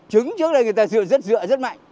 trứng trước đây người ta dựa rất dựa rất mạnh